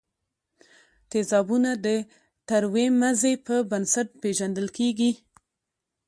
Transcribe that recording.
تیزابونه د تروې مزې په بنسټ پیژندل کیږي.